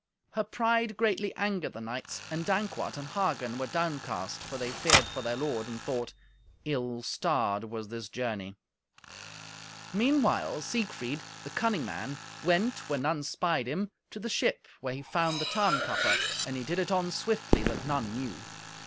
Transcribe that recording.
Her pride greatly angered the knights, and Dankwart and Hagen were downcast, for they feared for their lord, and thought, "Ill starred was this journey." Meanwhile, Siegfried, the cunning man, went, when none spied him, to the ship, where he found the Tarnkappe, and he did it on swiftly, that none knew.